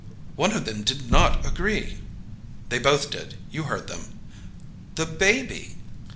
"One of them did not agree!" "They both did. You heard them." "The baby?"